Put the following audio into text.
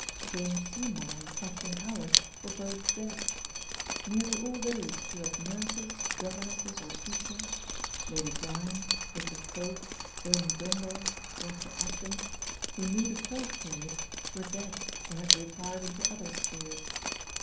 Jane Seymour and Catherine Howard were both dead. Nearly all those who as nurses, governesses, or teachers, Lady Bryan, Richard Croke, William Grindal, Roger Ascham, who knew the first period were dead or had retired into other spheres.